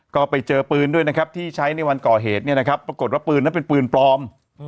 ก็ไปเจอปืนด้วยนะครับที่ใช้ในวันก่อเหตุเนี่ยนะครับปรากฏว่าปืนนั้นเป็นปืนปลอม